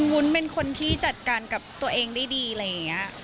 วุ้นเป็นคนที่จัดการกับตัวเองได้ดีอะไรอย่างนี้